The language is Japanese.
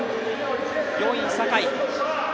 ４位、坂井。